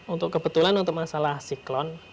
untuk kebetulan untuk masalah siklon